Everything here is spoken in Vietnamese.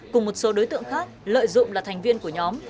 cùng một số đối tượng khác lợi dụng là thành viên của nhóm